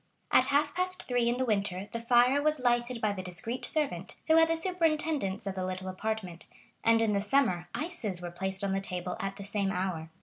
At half past three in the winter the fire was lighted by the discreet servant, who had the superintendence of the little apartment, and in the summer ices were placed on the table at the same hour.